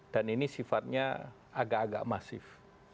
dan ini sifatnya agak agak masif